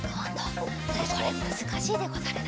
それむずかしいでござるな。